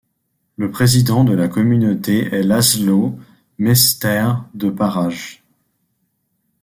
Le président de la communauté est László Mester de Parajd.